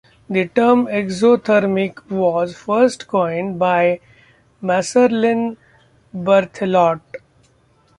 The term "exothermic" was first coined by Marcellin Berthelot.